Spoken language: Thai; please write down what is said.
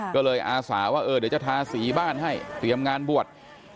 ก็เลยอาสาว่าเดี๋ยวจะทาสีบ้านให้เตรียมงานบวช